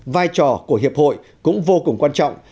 vai trò của hiệp hội cũng vô cùng quan trọng